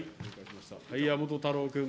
山本太郎君。